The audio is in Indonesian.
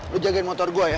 lu jagain motor gua ya